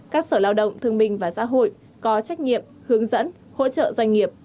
các sở lao động thương minh và xã hội có trách nhiệm hướng dẫn hỗ trợ doanh nghiệp